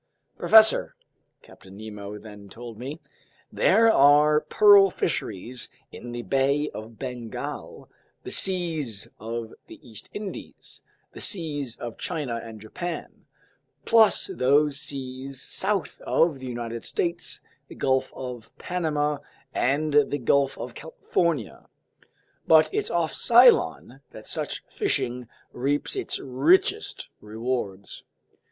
"Professor," Captain Nemo then told me, "there are pearl fisheries in the Bay of Bengal, the seas of the East Indies, the seas of China and Japan, plus those seas south of the United States, the Gulf of Panama and the Gulf of California; but it's off Ceylon that such fishing reaps its richest rewards.